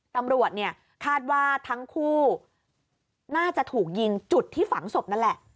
ตำรวจเนี่ยคาดว่าทั้งคู่น่าจะถูกยิงจุดที่ฝังศพนั่นแหละ